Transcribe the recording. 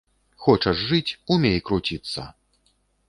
Хочаш жыць, умей круціцца.